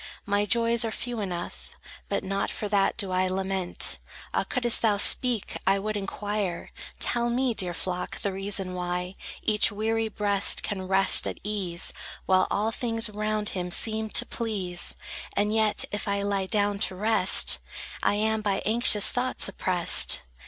My joys are few enough; But not for that do I lament. Ah, couldst thou speak, I would inquire: Tell me, dear flock, the reason why Each weary breast can rest at ease, While all things round him seem to please; And yet, if I lie down to rest, I am by anxious thoughts oppressed?